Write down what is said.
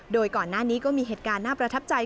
โดยก่อนหน้านี้ก็มีเหตุการณ์น่าประทับใจ